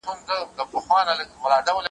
په پردي څټ کي سل سوکه څه دي ,